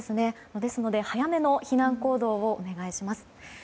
ですので早めの避難行動をお願いします。